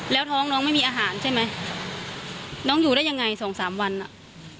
แล้วท้องน้องไม่มีอาหารใช่ไหมน้องอยู่ได้ยังไงสองสามวันอ่ะ